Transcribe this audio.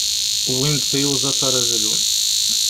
Wwin-d tiyuẓaḍ ara zlun.